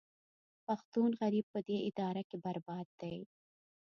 پښتون غریب په دې اداره کې برباد دی